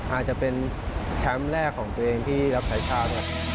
อาจจะเป็นแชมป์แรกของตัวเองที่รับใช้ชาติ